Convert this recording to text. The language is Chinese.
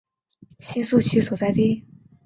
新宿区所在地。